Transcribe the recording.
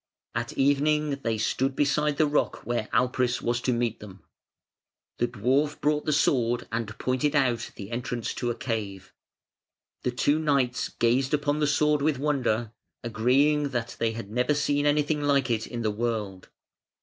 At evening they stood beside the rock where Alpris was to meet them. The dwarf brought the sword, and pointed out the entrance to a cave. The two knights gazed upon the sword with wonder, agreeing that they had never seen anything like it in the world.